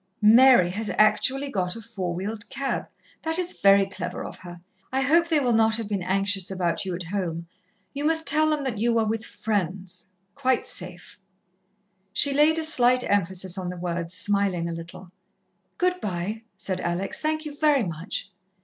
"Mary has actually got a four wheeled cab! That is very clever of her. I hope they will not have been anxious about you at home. You must tell them that you were with friends, quite safe." She laid a slight emphasis on the words, smiling a little. "Good bye," said Alex; "thank you very much."